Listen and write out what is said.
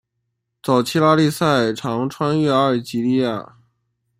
早期拉力赛常穿越阿尔及利亚。